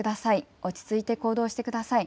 落ち着いて行動してください。